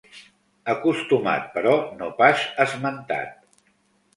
Acostumat, però no pas esmentat.